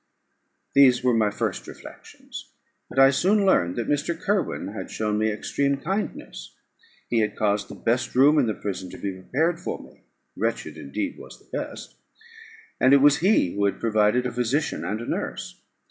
These were my first reflections; but I soon learned that Mr. Kirwin had shown me extreme kindness. He had caused the best room in the prison to be prepared for me (wretched indeed was the best); and it was he who had provided a physician and a nurse.